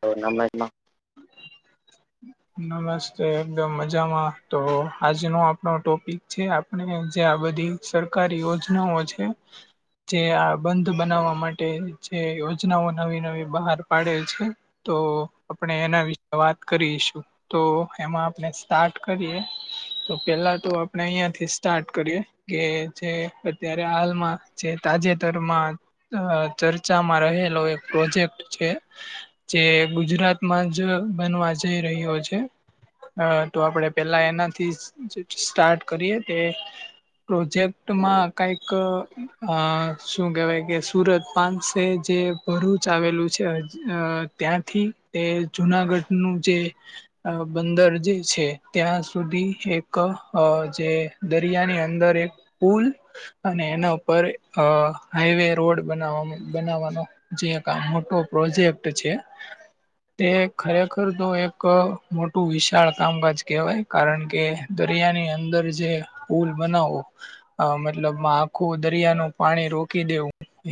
તો નામે માં. નમસ્તે. એકદમ મજામાં. તો, આજનો આપણો ટોપિક છે. અને જે આ બધી સરકારી યોજનાઓ છે. જે આ બંધ બનાવા માટે જે યોજનાઓ નવી નવી બહાર પાડેલ છે. તો આપણે એના વિશે વાત કરીશું. તો એમાં આપણે સ્ટાર્ટ કરીએ તો, પેલા તો આપણે અહિયાં થી સ્ટાર્ટ કરીએ. કે જે અત્યારે હાલમાં, જે તાજેતરમાં અ, ચર્ચામાં રહેલો એક પ્રોજેક્ટ છે, જે ગુજરાત. માં જ બનવા જઈ રહ્યો છે. હ, તો આપડે પેલા એનાથી સ્ટાર્ટ કરીએ તે. પ્રોજેક્ટમાં કંઈક શું કહેવાય, કે સુરત પાસે જે ભરૂચ આવેલું છે, ત્યાંથી તે જુનાગઢનું જે અ, બંદર જે છે, ત્યાં સુધી એક જે દરિયાની અંદર એક પુલ અને એના ઉપર અ, હાઈવે રોડ બનાવ બનાવવાનો. જે એક આ મોટો પ્રોજેક્ટ છે. તે ખરેખર તો એક મોટું વિશાળ કામકાજ કહેવાય, કારણ કે દરિયાની અંદર જે પુલ બનાવો. અ, મતલબ આખું દરિયા નું પાણી રોકી દેમ.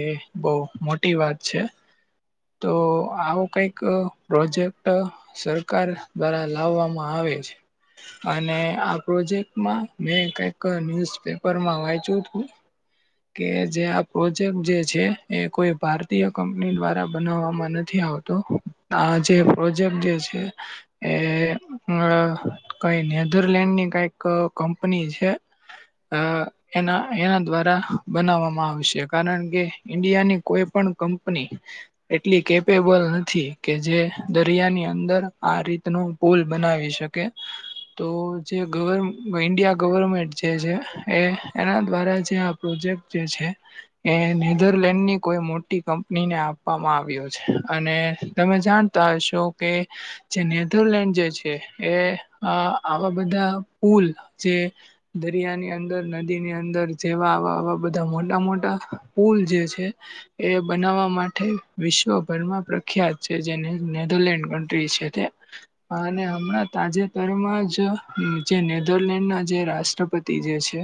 એ બહુ મોટી વાત છે, તો આવો કંઈક પ્રોજેક્ટ સરકાર દ્વારા લાવવામાં આવે છે. અને આ પ્રોજેક્ટમાં મેં કઈક ન્યુઝ પેપરમાં વાંચ્યું હતું. કે જે આ પ્રોજેક્ટ જે છે, એ કોઈ ભારતીય કંપની દ્વારા બનાવામાં નથી આવતો. આ જે પ્રોજેક્ટ જે છે, એ કઈ. નધરલેન્ડ ની કઈક કંપની છે, એના એના દ્વારા બનાવવામાં આવશે, કારણ કે ઈન્ડિયાની કોઈ પણ કંપની એટલી કેપેબલ નથી કે, જે દરિયાની અંદર આ રીતનું પુલ બનાવી શકે. તો જે ગવરમેન્ટ, ઈન્ડિયા ગવર્મેન્ટ જે છે, એ એના દ્વારા જે પ્રોજેક્ટ જે છે. એ નેધરલેન્ડ ની કોઈ મોટી કંપનીને આપવામાં આવ્યો છે, અને તમે જાણ તો હશો કે જે નેધરલેન્ડ જે છે, એ આવા બધા પુલ જે દરિયા ની અંદર, નદીની અંદર જેવા આવા બધા મોટા-મોટા પુલ જે છે. એ બનાવવા માટે વિશ્વભરમાં પ્રખ્યાત છે, જે નેધરલેન્ડ કન્ટ્રી છે તે. અને હમણાં તાજેતરમાં જ જે નેધરલેન્ડના જે રાષ્ટ્રપતિ. જે છે,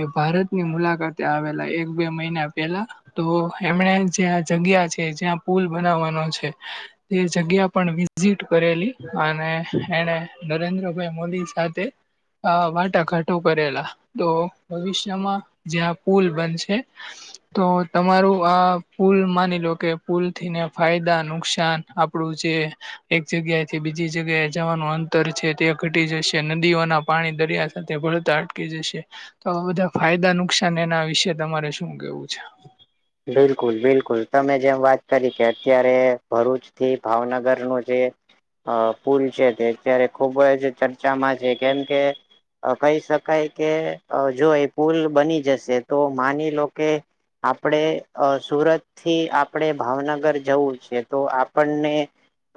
એ ભારતની મુલાકાતે આવેલા એક-બે મહિના પહેલા. તો એમણે જે્યા જગ્યા છે જ્યાં પુલ બનાવાનો છે તે જગ્યા પણ વિઝિટ કરેલી અને એણે નરેન્દ્રભાઈ મોદી સાથે આ વાટાઘાટો કરેલા તો ભવિષ્યમાં જ્યાં પુલ બનશે તો તમારું આ પુલ માની લો કે પુલ થીને ફાયદા નુકસાન આપડું જે એક જગ્યા થી બીજી જગ્યાએ જવાનું અંત તર છે તે ઘટી જશે નદીઓના પાણી દરિયા સાથે ભળતા અટકી જશે તો બધા ફાયદા નુકસાન એના વિશે તમારે શું કેવું છે બિલકુલ બિલકુલ તમે જેમ વાત કરી કે અત્યારે ભરૂચ થી ભાવનગરનુંું જે અ પુલ છે તે અત્યારે ખુબ જ ચર્ચામાં છે કેમ કે કહી શકાય કે જો એ પુલ બની જશે તો માની લો કે આપણે સુરત થી આપણે ભાવનગર જવું છે તો આપણને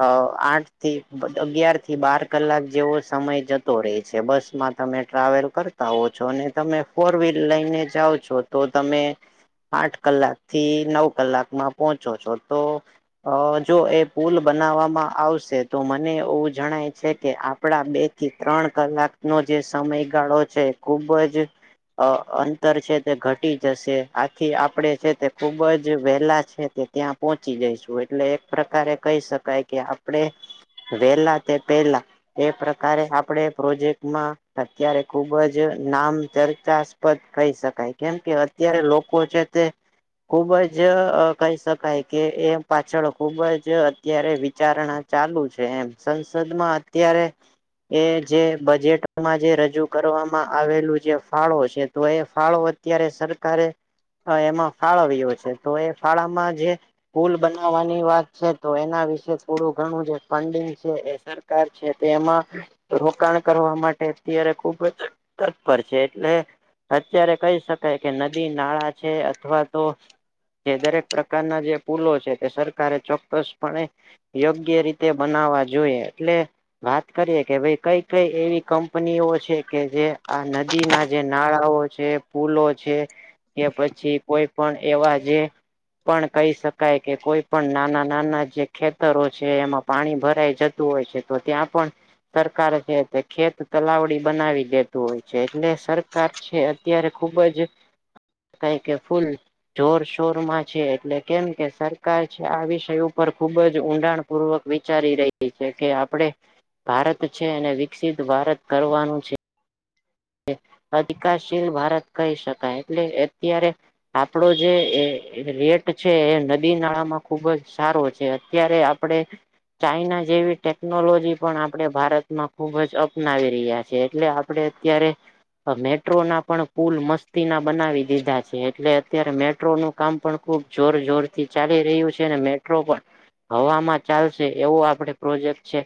અ આઠ થી અગિયાર થી બાર કલાક જેવો સમય જતો રહે છે બસમાં તમે ટ્રાવેલ કરતા હો છો અને તમે ફોર વ્હીલર લઈને જાઓ છો તો તમે આઠ કલાક થી નવ કલાકમાં પહોંચો છો તો અ જો એ પુલ બનાવવામાં આવશે તો મને એવું જણાય છે કે આપડા બે કે ત્રણ કલાકનોો જે સમયગાળો છે ખુબ જ અ અંતર છે તે ઘટી જશે આ થી આપણે છે તે ખૂબ જ વહેલા છે તે ત્યાં પહોંચી જઈશું એટલે એક પ્રકારે કહી શકાય કે આપડે વેલા તે પેલા એ પ્રકારે આપણે પ્રોજેક્ટમાં અત્યારે ખુબ જ નામ ચર્ચા કહી શકાય કેમ કે અત્યારે લોકો છે તે ખુબ જ કહી શકાય કે એ પાછળ ખુબ જ અત્યારે વિચારણા ચાલુ છે એમ સંસદમાં અત્યારે એ જે બજેટમાં જે રજૂ કરવામાં આવેલું છે ફાળો છે તો એ ફાળો અત્યારે સરકારે એમાં ફાળ આવ્યો છે તો એ ફાળામાં જે પૂલ બનાવવાની વાત છે તો એના વિશે થોડું ઘણું જે ફંડિંગ છે એ સર છે તે એમાં રોકાણ કરવા માટે અત્યારે ખુબ જ તત્પર છે એટલે અત્યારે કહી શકાય કે નદી નાળા છે અથવા તો જે દરેક પ્રકારના જે પુલો છે તે સરકારે ચોક્કસપણે યોગ્ય રીતે બનાવવા જોઈએ એટલે વાત કરીએ કે ભાઈ કઈ કઈ એવી કંપનીઓ છે કે જે આ નદી ના જે નાળાઓ છે પૂલો છે કે પછી કોઈ પણ એવા જે પણ કહી શકાય કે કોઈ પણ નાના નાના જે ખેતરો છે એમાં પાણી ભરાઈ જતું હોય છે તો ત્યાં પણ સરકાર છે તે ખેત તલાવડી બનાવી દેતું હોય છે એટલે સર છે અત્યારે ખુબ જ કઈ કે ફૂલ જોરશોરમાં છે એટલે કેમ કે સરકાર છે આ વિષય ઉપર ખુબ જ ઊંડાણ પૂર્વક વિચારી રહી છે કે આપડણે ભારત છે અને વિકસિત ભારત કરવાનું છે અધિકારશીલ ભારત કહી શકાય એટલે અત્યારે આપણો જે રેટ છે એ નદી નાળામાં ખુબ જ સારો છે અત્યારે આપડે ચાઈના જેવી ટેકનોલોજી પણ આપડણે ભારતમાં ખુબ જ અપનાવી રહ્યા છ છે એટલે આપણે ત્યારે મેટ્રો ના પણ પુલ મસ્તી ના બનાવી દીધા છે એટલે અત્યારે મેટ્રો ન કામ પણ ખુબ જોર જોર થી ચાલી રહ્યું છે અને મેટ્રો પણ હવામાં ચાલશે એવું આપડે પ્રોજેક્ટ છે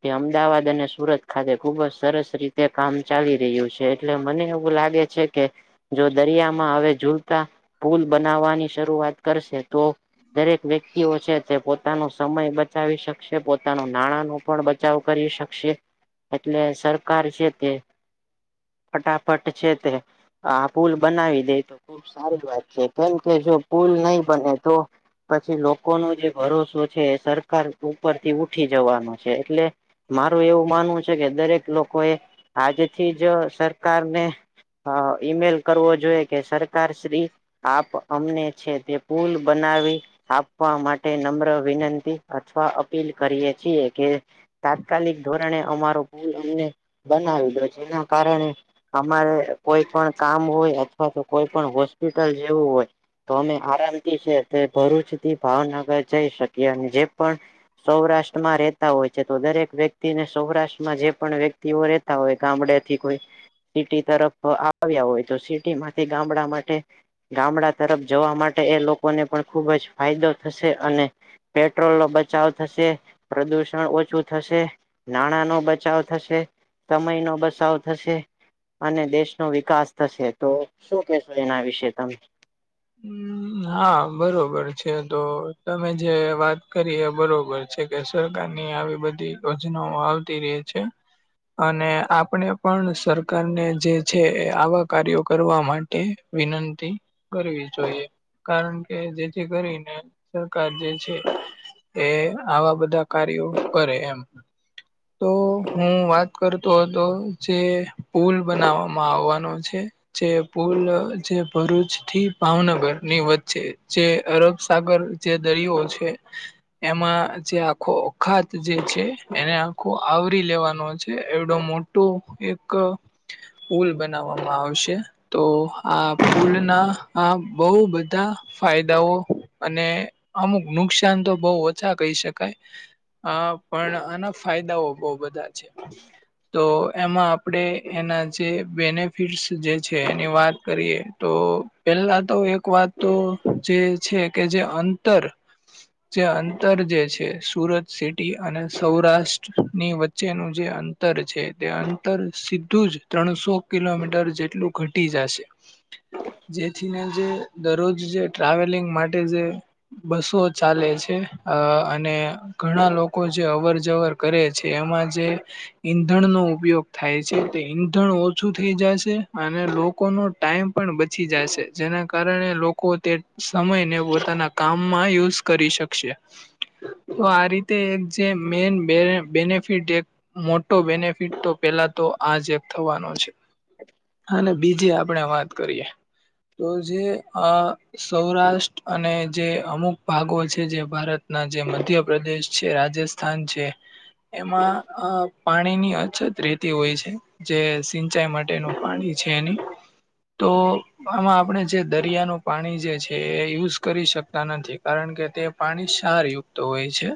કે અમદાવાદ અને સુરત ખાતે ખુબ જ સરસ રીતે કામ ચાલી રહ્યું છે એટલે મને એવું લાગે છે કે જો દરિયામાં હવે ઝુલતા પુલ બનાવવાની શરૂઆત કરશે તો દરેક વ્યક્તિઓ છે તે પોતાનો સમય બ બચાવી શકશે પોતાનો નાણાંનો પણ બચાવ કરી શકશે એટલે સરકાર છે તે ફટાફટ છે તે આ પુલ બનાવી દે તો ખુબ સારી વાત છે કેમ કે જો પુલ નહી બને તો પછી લોકો નો જે ભરોસો છે સરકાર ઉપરથી ઉઠી જવાનો છે એટલે મારું એવું માનવું છે કે દરેક લોકો એ આજ થી જ સરકાર ને ઈમેલ કરવો જોઈએ કે સરકાર શ્રી આપ અમને છે તે પુલ બનાવી આપવા માટે નમ્ર વિનંતી અથવા અપીલ કરીએ છીએ કે તાત્કાલિક ધોરણે અમારો પુલ અમને બનાવી દો જેના કારણે અમારે કોઈ પણ કામ હોય અથવા તો કોઈ પણ હોસ્પિટલ જેવું હોય તો અમે આરામથી છે તે ભરૂચ થી ભાવનગર જઈ શકીએ અને જે પણ સૌરાષ્ટ્રમાં રહેેતા હોય છે તો દરેક વ્યક્તિને સૌરાષ્ટ્રમાં જે પણ વ્યક્તિઓ રહેતા હોય ગામડેથી કોઈ સિટી તરફ આવ્યા હોય તો સિટી માંથી ગામડા માટે ગામડા તરફ જવા માટે એ લોકોને પણ ખુબ જ ફાયદો થશે અને પેટ્રોલ નો બચાવ થશે પ્રદુષણ ઓછું થશે નાણાં નો બચાવ થશે સમય નો બચાવ થશે અને દેશનો વિકાસ થશે તો શું કેશો એના વિશે તમે હમ હા, બરોબર છે તો તમે જે વાત કરી એ બરોબર છે છે કે સરકાર ની આવી બધી યોજનાઓ આવતી રે છે અને આપણે પણ સરકારને જે છે એ આવા કાર્યો કરવા માટે કે વિનંતી કરવી જોઈએ કારણ કે જેથી કરીને સરકાર જે છે એ આવા બધા કાર્યો કરે એમ [unintelligible] તો હું વાત કરતો હતો જે પુલ બનાવવામાં આવવાનો છે જે પુલ જે ભરૂચ થી ભાવનગર ની વચ્ચે જે અરબ સાાગર જે દરિયો છે એમાં જે આખો અખાત જે છે એને આખો આવરી લેવાનો છે એવડો મોટો તો એક પુલ બનાવવામાં આવશે તો આ પુલના આ બહુ બધા ફાયદાઓ અને અમુક નુકસાન તો બહુ ઓછા કહી શકાય હ, પણ આના ફાયદાઓ બહુ બધા તો એમાં આપણેે એના જે બેને ફીસ જે છે એની વાત કરીએ તો પેલા તો એક વાત જે છે કે જે અંતર જે અંતર જે છે સુરત સિટી અને સૌરાષ્ટ્ર ની વચ જેનુ જે જે અંતર છે તે અંતર સીધું જ ત્રણસો કિલોમીટર જેટલું ઘટી જશે જેથીને જે દરરોજ જે ટ્રાવેલિંગ માટે જે બસો ચાલે છે અ અને ઘણા લોકો જે અવર જવર કરે છે એમાં જે ઈંધણ નો ઉપયોગ થાય છે તો ઈંધણ ઓછું થઈ જાશે અને લોકોનો ટાઈમ પણ છી જાશે છે જેના કારણે લોકો તેમના સમયને પોતાના કામ માં યુઝ કરી શકશે તો આ રીતે એક જે મેન બેનિફિટ એક મોટો બેનિફિટ તો પેલા તો આજ થવાનો છે. અને બીજી આપણેે વાત કરીએ તો જે આ સૌરાષ્ટ્ર અને જે અમુક ભાગો છે જે ભારતના જે મધ્યપ્રદેશ છે, રાજસ્થાન, સ્થાન છે એમાં પાણીની અછત રેતી હોય છે. જે સિંચાઈ માટેનું પાણી છે એની તો આમાં આપણે જે દરિયાનું પાણી જે છે એ યુઝ કરી શકતા નથી કારણ કે તે પાણી ક્ષારયુક્ત હોય છે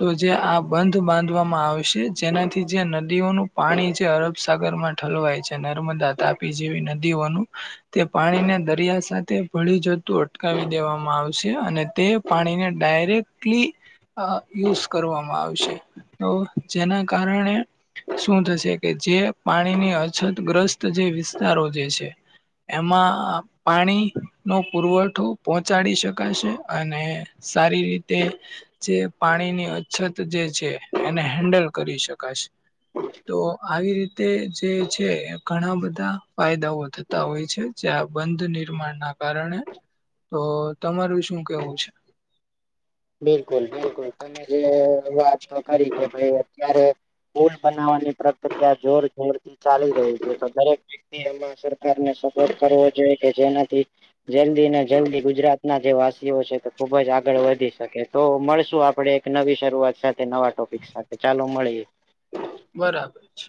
તો જે આ બંધ બાંધવામાં આવશે જેનાથી જે નદીઓનું પાણી છે અરબસગર માટે લવાય છે નર્મદા, તાપી જેવી નદીઓનું તે પાણીને દરિયા સાથે ભળી જતું અટકાવી દેવામાં આવશે અને તે પાણીને ડાયરેક્ટ કેટલી યુઝ કરવામાં આવશે તો જેના કારણે શું થશે કે જે પાણીની અછતગ્રસ્ત જે વિસ્તારો જે છે એમાં પાણી નો પુરવઠો પહોંચાડી શકાશે અને સારી રીતે જે પાણીની અછત જે છે એને હેન્ડલ કરી શકાશે તો આવી રીત તે જે છે ઘણા બધા ફાયદાઓ થતા હોય છે. જ્યાં બંધ નિર્માણ ના કારણે તો તમારું શું કેવું છે. બિલકુલ બિલકુલ તમે જે વાત કરી કે ભાઈ અત્યારે પુલ બનાવવાની પ્રક્રિયા જોર જોર થી ચાલી રહી છે તો દરેક વ્યક્તિ એમાં સરને સપોર્ટ કરવો જોઈએ કે જેનાથી જલ્દી ને જલ્દી ગુજરાત ના જે વાસીઓ છે તે ખુબ જ આગળ વધી તો મળશું આપડે એક નવી શરૂઆત સાથે નવા ટોપિક સાથે ચાલો મળીએ. બરાબર છે.